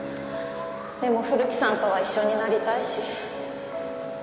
でも古木さんとは一緒になりたいし。